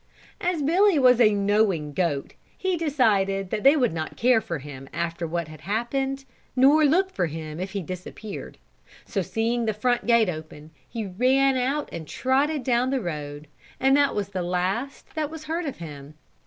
As Billy was a knowing goat, he decided that they would not care for him after what had happened, nor look for him if he disappeared, so seeing the front gate open, he ran out and trotted down the road and that was the last that was heard of him.